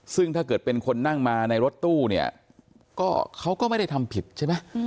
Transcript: ซึ่งถ้าเกิดเป็นคนนั่งมาในรถตู้เนี่ยก็เขาก็ไม่ได้ทำผิดใช่ไหม